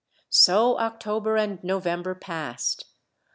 So October and November passed.